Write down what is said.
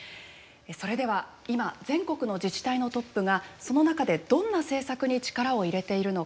それでは今全国の自治体のトップがその中でどんな政策に力を入れているのか